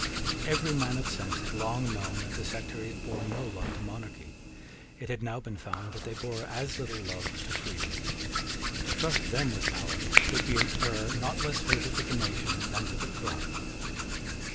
Every man of sense had long known that the sectaries bore no love to monarchy. It had now been found that they bore as little love to freedom. To trust them with power would be an error not less fatal to the nation than to the throne.